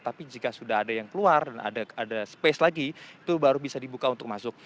tapi jika sudah ada yang keluar dan ada space lagi itu baru bisa dibuka untuk masuk